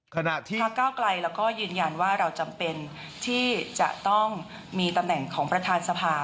ขณะที่พักเก้าไกลเราก็ยืนยันว่าเราจำเป็นที่จะต้องมีตำแหน่งของประธานสภา